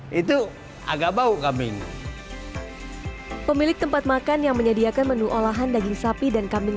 hai itu agak bau kami pemilik tempat makan yang menyediakan menu olahan daging sapi dan kambing